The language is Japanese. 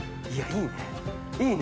いいね。